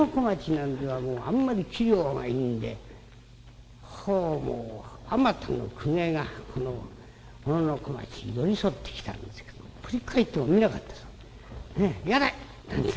なんてえのはあんまり器量がいいんで方々あまたの公家がこの小野小町に寄り添ってきたんですけど振り返ってもみなかったそうで。